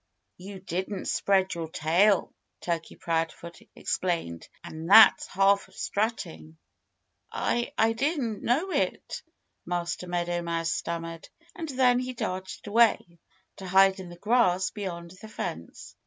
"You didn't spread your tail," Turkey Proudfoot explained. "And that's half of strutting." "I I didn't know it," Master Meadow Mouse stammered. And then he darted away, to hide in the grass beyond the fence.